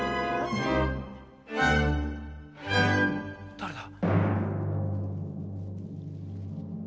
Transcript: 誰だ？